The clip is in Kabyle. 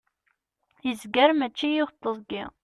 yezger mačči yiwet teẓgi